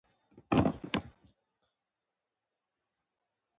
په پوهنتون کې استادان د زده کړیالانو د فکري ودې اساسي برخه ده.